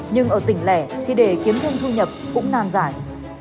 nhưng ở tỉnh lẻ thì để kiếm thêm thu nhập cũng nan giải